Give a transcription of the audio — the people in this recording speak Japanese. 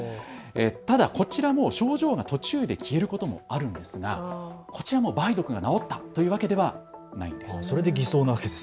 ただ、こちらも症状が途中で消えることもあるんですがこちらも梅毒が治ったというわけではないんです。